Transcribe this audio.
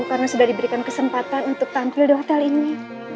karena sudah diberikan kesempatan untuk tampil di hotel ini